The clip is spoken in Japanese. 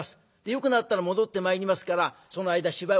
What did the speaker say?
よくなったら戻ってまいりますからその間芝居お願いします」。